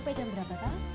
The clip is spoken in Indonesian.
lepas jam berapa kak